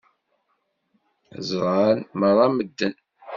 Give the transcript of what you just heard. Ẓṛan meṛṛa medden.